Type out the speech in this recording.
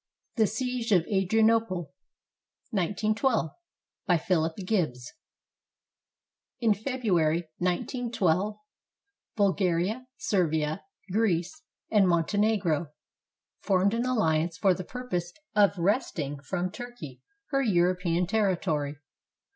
THE SIEGE OF ADRIANOPLE BY PHILIP GIBBS [In February, 191 2, Bulgaria, Servia, Greece, and Monte negro formed an alliance for the purpose of wresting from Turkey her European territory.